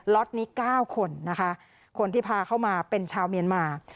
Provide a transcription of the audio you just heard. ็อตนี้๙คนนะคะคนที่พาเข้ามาเป็นชาวเมียนมา